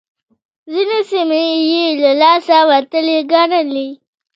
ځينې سيمې يې له لاسه وتلې ګڼلې.